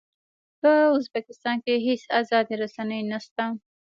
په ازبکستان کې هېڅ ازادې رسنۍ نه شته.